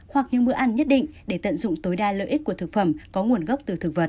hoặc những bữa ăn nhất định để tận dụng tối đa lợi ích của thực phẩm có nguồn gốc từ thực vật